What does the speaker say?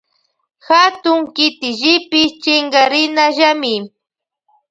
Katun kitillipi chinkarinallami.